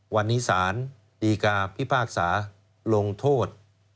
วันนี้สารดีกาพิพากษาลงโทษ